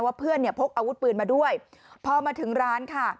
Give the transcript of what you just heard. เพื่อนเนี่ยพกอาวุธปืนมาด้วยพอมาถึงร้านค่ะ